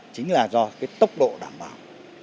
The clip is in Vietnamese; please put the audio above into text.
chính là do cái tốc độ đảm bảo